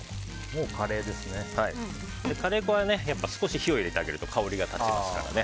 カレー粉は少し火を入れてあげると香りが立ちますからね。